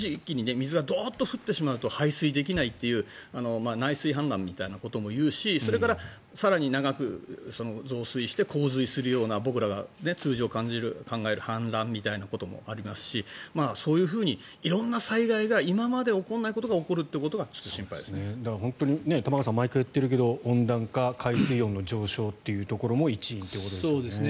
どっと入ってしまうと排水できないという内水氾濫みたいなことも言うし更に長く増水して洪水するような僕らが通常考える氾濫みたいなこともありますしそういうふうに色んな災害が今まで起こらないことが起きるのが本当に玉川さん毎回言っているけど温暖化海水温の上昇というところも一因というところですかね。